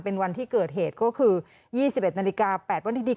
เป็นวันที่เกิดเหตุก็คือ๒๑นาฬิกา๘วันที่ดี